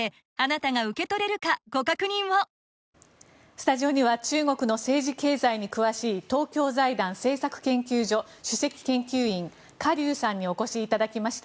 スタジオには中国の政治・経済に詳しい東京財団政策研究所主席研究員カ・リュウさんにお越しいただきました。